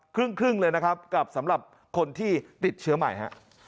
ครึ่งครึ่งเลยนะครับกับสำหรับคนที่ติดเชื้อใหม่ฮะ